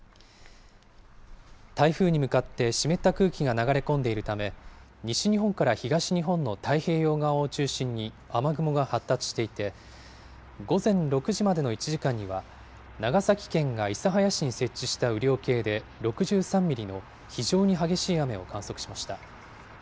台風に向かって湿った空気が流れ込んでいるため、西日本から東日本の太平洋側を中心に雨雲が発達していて、午前６時までの１時間には、長崎県が諫早市に設置した雨量計で６３ミリの非常に激しい雨を観測しました。